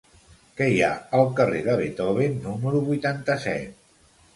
Què hi ha al carrer de Beethoven número vuitanta-set?